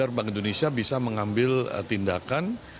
agar bank indonesia bisa mengambil tindakan